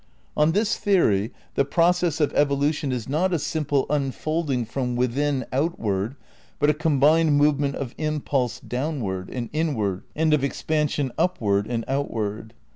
On this theory the process of evolution is not a simple unfolding from within outward, but a combined move ment of impulse downward and inward and of expan sion upward and outward.